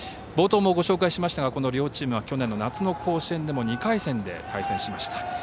冒頭もご紹介しましたがこの両チームは去年の夏の甲子園で２回戦で対戦しました。